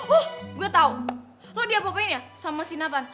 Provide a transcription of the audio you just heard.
oh gue tau lo diapa apain ya sama si nathan